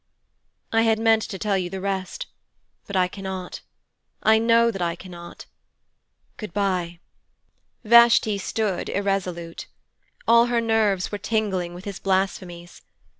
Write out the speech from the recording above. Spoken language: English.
'I had meant to tell you the rest, but I cannot: I know that I cannot: good bye.' Vashti stood irresolute. All her nerves were tingling with his blasphemies.